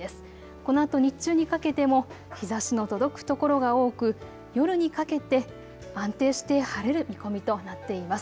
このあと日中にかけても日ざしの届く所が多く夜にかけて安定して晴れる見込みとなっています。